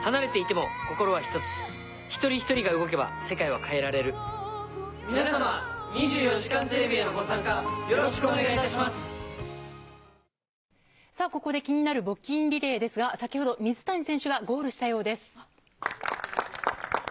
もちろん上田さんならやればさぁ、ここで気になる募金リレーですが、先ほど水谷選手がゴールしたようです。